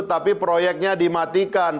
tapi proyeknya dimatikan